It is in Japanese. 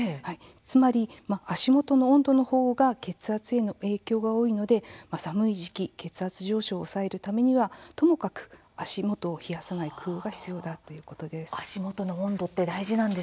つまり足元の温度の低いほうが血圧への影響が大きいので寒い時期、血圧上昇を抑えるためにも、ともかく足元を冷やさない工夫が必要だということです。